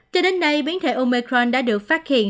cho đến nay biến thể omecron đã được phát hiện